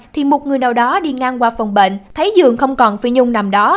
thì một người nào đó đi ngang qua phòng bệnh thấy dường không còn phi nhung nằm đó